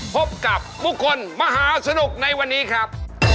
พบกับบุคคลมหาสนุกในวันนี้ครับ